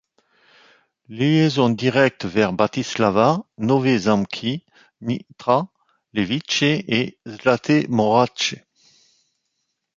Liaison directes vers Bratislava, Nové Zámky, Nitra, Levice et Zlaté Moravce.